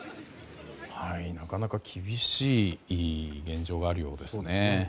なかなか厳しい現状があるようですね。